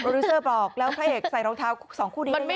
ริวเซอร์บอกแล้วพระเอกใส่รองเท้าสองคู่นี้ใช่ไหม